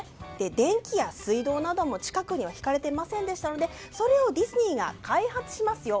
電気や水道なども近くにはひかれていませんでしたのでそれをディズニーが開発しますよ。